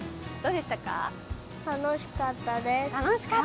楽しかったです。